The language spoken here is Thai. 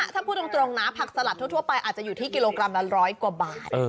ถ้าพูดตรงนะผักสลัดทั่วไปอาจจะอยู่ที่กิโลกรัมละ๑๐๐กว่าบาท